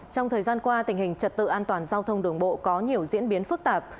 trong thời gian qua tình hình trật tự an toàn giao thông đường bộ có nhiều diễn biến phức tạp